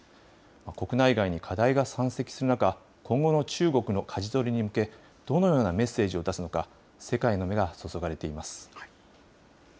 国内外に課題が山積する中、今後の中国のかじ取りに向け、どのようなメッセージを出すのか、世界の目が注がれています。